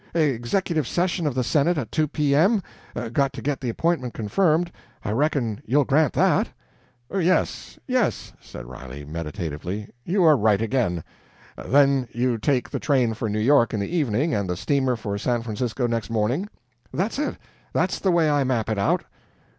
"Executive session of the Senate at 2 P.M. got to get the appointment confirmed I reckon you'll grant that?" "Yes ... yes," said Riley, meditatively, "you are right again. Then you take the train for New York in the evening, and the steamer for San Francisco next morning?" "That's it that's the way I map it out!"